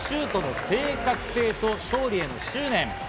このシュートの正確性と勝利への執念。